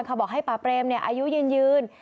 ก็บอกให้พระบรมอายุยืน